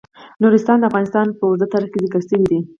نورستان د افغانستان په اوږده تاریخ کې ذکر شوی دی.